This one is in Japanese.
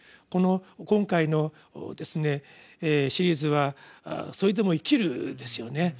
この今回のシリーズは「それでも生きる」ですよね。